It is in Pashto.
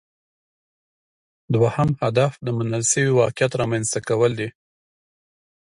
دوهم هدف د منل شوي واقعیت رامینځته کول دي